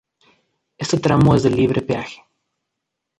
Este tramo es de libre peaje.